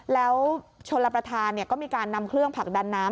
แล้วชนรับประทานก็มีการนำเครื่องผลักดันน้ำ